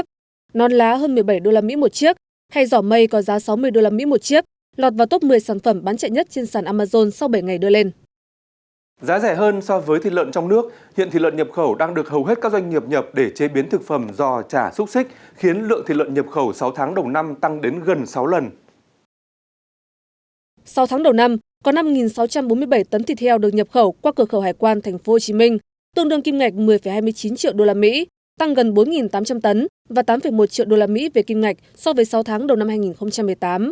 năm sáu trăm bốn mươi bảy tấn thịt heo được nhập khẩu qua cửa khẩu hải quan tp hcm tương đương kim ngạch một mươi hai mươi chín triệu usd tăng gần bốn tám trăm linh tấn và tám một triệu usd về kim ngạch so với sáu tháng đầu năm hai nghìn một mươi tám